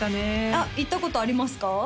あっ行ったことありますか？